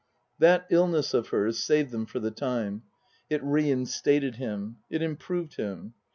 That illness of hers saved them for the time. It re instated him. It improved him.